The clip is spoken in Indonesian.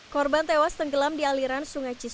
korban tewas tenggelam di aliran sungai ciliw